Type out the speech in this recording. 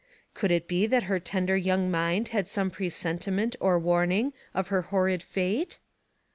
Could it be that her tender young mind had some presenti ment or warning of her horrid fate?